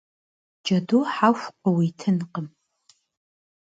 Джэду хьэху къыуитынкъым.